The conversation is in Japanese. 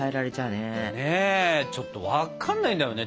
ねえちょっと分かんないんだよね。